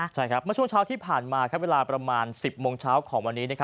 ใช่ครับเมื่อช่วงเช้าที่ผ่านมาเวลาประมาณ๑๐โมงเช้าของวันนี้